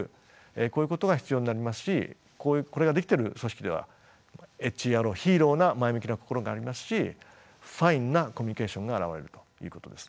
こういうことが必要になりますしこれができてる組織ではＨＥＲＯヒーローな前向きな心がありますしＦＩＮＥなコミュニケーションが現れるということです。